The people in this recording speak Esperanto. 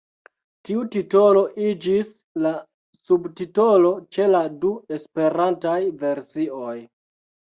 Tiu titolo iĝis la subtitolo ĉe la du esperantaj versioj.